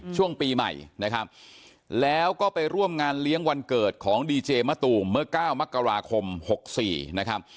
ช่วงปีใหม่นะครับแล้วก็ไปร่วมงานเลี้ยงวันเกิดของดีเจมะตูมเมื่อ๙มกราคม๖๔นะครับ